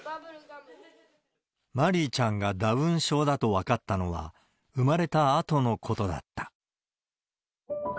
まりいちゃんがダウン症だと分かったのは、生まれたあとのことだった。